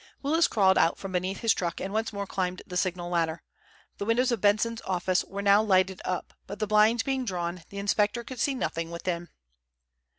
Willis crawled out from beneath his truck and once more climbed the signal ladder. The windows of Benson's office were now lighted up, but the blinds being drawn, the inspector could see nothing within.